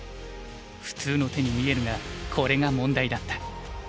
普通の手に見えるがこれが問題だった。